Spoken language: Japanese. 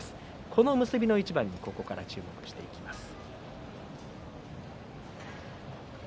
この結びの一番にここから注目していきます。